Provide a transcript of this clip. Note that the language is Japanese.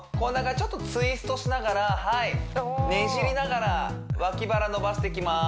ちょっとツイストしながらはいねじりながら脇腹伸ばしていきます